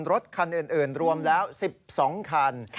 รถคันอื่นรวมแล้ว๑๒คัน